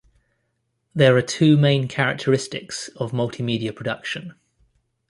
There are two main characteristics of multimedia production.